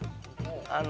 あの。